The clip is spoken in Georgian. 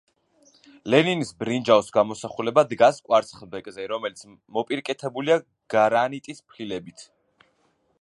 ლენინის ბრინჯაოს გამოსახულება დგას კვარცხლბეკზე, რომელიც მოპირკეთებულია გრანიტის ფილებით.